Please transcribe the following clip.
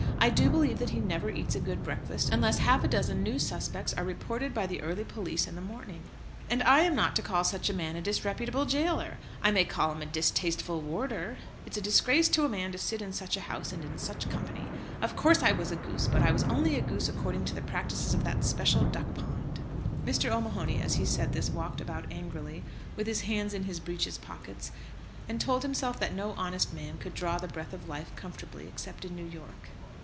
I do believe that he never eats a good breakfast unless half a dozen new 'suspects' are reported by the early police in the morning; and I am not to call such a man a 'disreputable jailer.' I may call him a 'distasteful warder.' It's a disgrace to a man to sit in such a House and in such company. Of course I was a goose, but I was only a goose according to the practices of that special duck pond." Mr. O'Mahony, as he said this, walked about angrily, with his hands in his breeches' pockets, and told himself that no honest man could draw the breath of life comfortably except in New York.